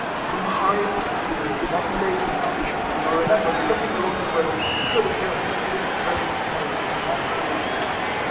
From Hythe to Deal was one day's march ; and I remember looking along the road at the good appearance the different regiments RIFLEMAN HARRIS. 258 made as we marched along.